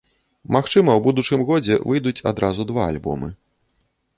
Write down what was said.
Магчыма, у будучым годзе выйдуць адразу два альбомы.